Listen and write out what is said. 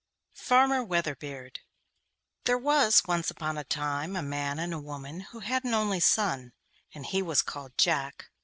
FARMER WEATHERBEARD There was once upon a time a man and a woman who had an only son, and he was called Jack.